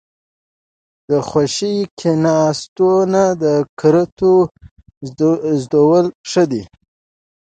ـ د خوشې کېناستو نه د کرتو زدولو ښه دي.